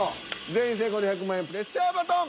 全員成功で１００万円プレッシャーバトン。